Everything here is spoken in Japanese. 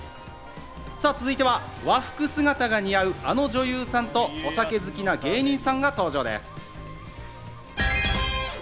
さぁ、続いては和服姿が似合うあの女優さんとお酒好きな芸人さんが登場です。